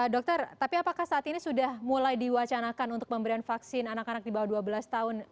dokter tapi apakah saat ini sudah mulai diwacanakan untuk pemberian vaksin anak anak di bawah dua belas tahun